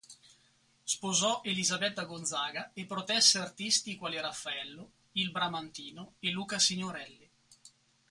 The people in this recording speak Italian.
Sposò Elisabetta Gonzaga e protesse artisti quali Raffaello, il Bramantino e Luca Signorelli.